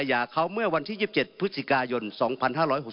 อย่าเขาเมื่อวันที่ยิบเจ็ดพฤษิกายนต์สองพันห้าร้อยหก